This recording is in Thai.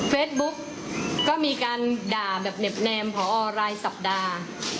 เฟซบุ๊กก็มีการด่าแบบเน็บแนมผอรายสัปดาห์